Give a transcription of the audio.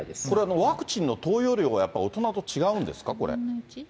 これはワクチンの投与量はやっぱり大人と違うんですか、これ。